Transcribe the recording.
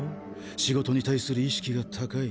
仕事に対する意識が高い。